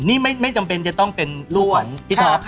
นี่ไม่จำเป็นจะต้องเป็นลูกหลานพี่ท็อป